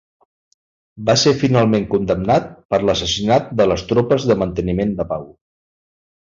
Va ser finalment condemnat per l'assassinat de les tropes de manteniment de pau.